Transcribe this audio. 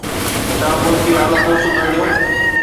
ڇا ملڪي حالتون سڌرنديون؟